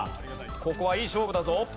ここはいい勝負だぞ。